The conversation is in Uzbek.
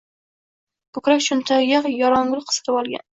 Ko`krak cho`ntagiga yorongul qistirib olgan